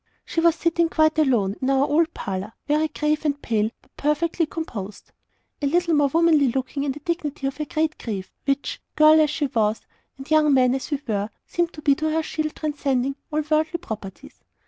She was sitting quite alone, in our old parlour, very grave and pale, but perfectly composed. A little more womanly looking in the dignity of her great grief, which, girl as she was, and young men as we were, seemed to be to her a shield transcending all worldly "proprieties."